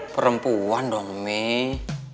perempuan dong nih